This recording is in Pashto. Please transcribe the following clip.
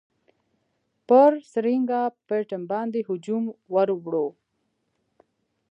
پر سرینګا پټم باندي هجوم ورووړ.